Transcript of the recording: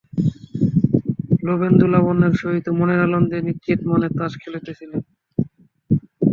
নবেন্দু লাবণ্যর সহিত মনের আনন্দে নিশ্চিতমনে তাস খেলিতেছিল।